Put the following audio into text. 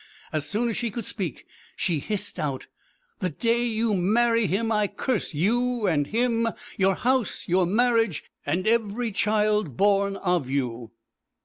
As soon as she could speak she hissed out: 'The day you marry him I curse you, and him, your house, your marriage, and every child born of you.'